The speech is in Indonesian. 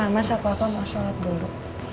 mama sapa apa mau sholat dulu